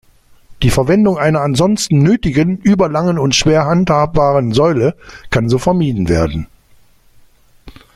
Die Verwendung einer ansonsten nötigen überlangen und schwer handhabbaren Säule kann so vermieden werden.